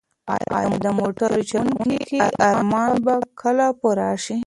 ایا د موټر چلونکي ارمان به کله پوره شي؟